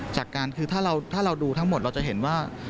จากการคือถ้าเราดูทั้งหมดเราจะเห็นว่า